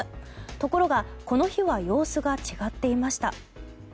ところがこの日は様子が違っていました。